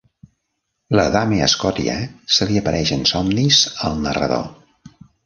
La Dame Scotia se li apareix en somnis al narrador.